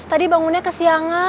tadi bangunnya kesiangan